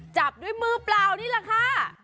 จับด้วยมือเปล่านี่แหละค่ะ